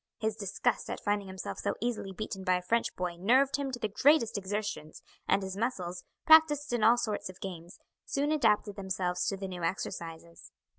His disgust at finding himself so easily beaten by a French boy nerved him to the greatest exertions, and his muscles, practised in all sorts of games, soon adapted themselves to the new exercises.